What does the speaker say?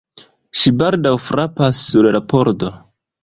Ŝi baldaŭ frapas sur la pordo.